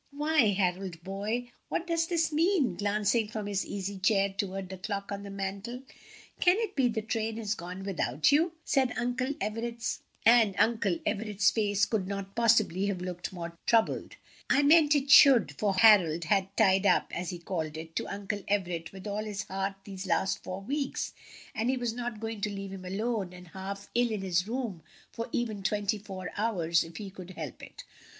"Why, Harold, boy, what does this mean?" glancing from his easy chair toward the clock on the mantel; "can it be the train has gone without you?" and Uncle Everett's face could not possibly have looked more troubled. "I meant it should," for Harold had "tied up," as he called it, to Uncle Everett with all his heart these last four weeks, and he was not going to leave him alone and half ill in his room for even twenty four hours, if he could help it.